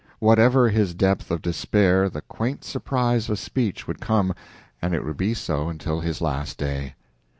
Whatever his depth of despair, the quaint surprise of speech would come, and it would be so until his last day.